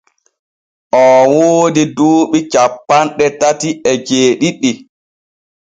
Oo woodi duuɓi cappanɗe tati e jeeɗiɗi.